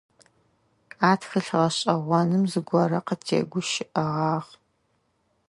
А тхылъ гъэшӏэгъоным зыгорэ къытегущыӏэгъагъ.